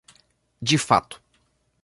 De fato